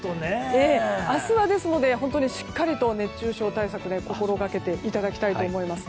明日は、ですのでしっかりと熱中症対策を心がけていただきたいと思います。